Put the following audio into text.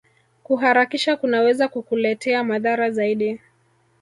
Kuharakisha kunaweza kukuletea madhara zaidi